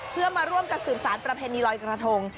เพื่อมาร่วมกับศึกษาประเภทในลอยกระทง